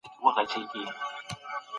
غیر صحي خواړه مه خورئ.